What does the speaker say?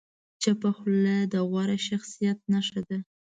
چپه خوله، د غوره شخصیت نښه ده.